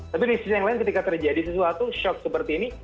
tapi di sisi yang lain ketika terjadi sesuatu shock seperti ini